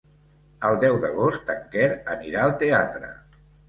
El deu d'agost en Quer anirà al teatre.